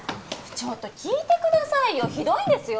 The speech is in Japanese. ちょっと聞いてくださいよひどいんですよ